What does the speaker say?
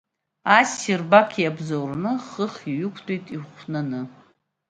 Ассир-бақ иабзоураны, хыхь иҩықәтәеит ихәнаны.